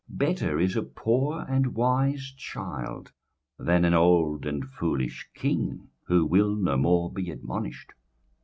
21:004:013 Better is a poor and a wise child than an old and foolish king, who will no more be admonished.